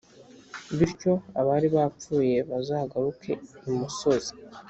bityo abari barapfuye bazagaruke imusozi.